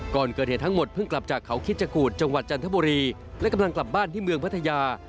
ก่อนเกิดเหตุทั้งหมดเพิ่งกลับจากเขาคิดจกูธจังหวัดจันทบุรีและกำลังกลับบ้านที่เมืองพัทยา